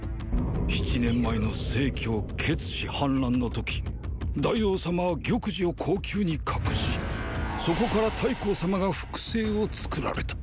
七年前の成・竭氏反乱の時大王様は玉璽を後宮に隠しそこから太后様が複製を作られた。